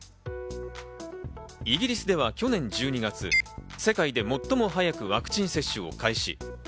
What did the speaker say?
イギリスでは去年１２月、世界で最も早くワクチン接種を開始。